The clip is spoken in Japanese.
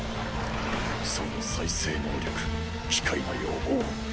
その再生能力奇怪な容貌